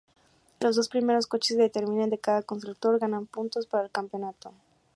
Los dos primeros coches de terminen de cada constructor ganan puntos para el campeonato.